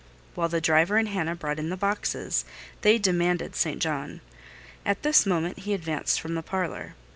While the driver and Hannah brought in the boxes, they demanded St. John. At this moment he advanced from the parlour.